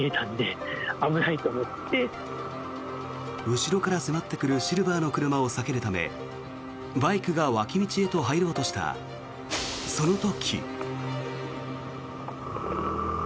後ろから迫ってくるシルバーの車を避けるためバイクが脇道へと入ろうとしたその時。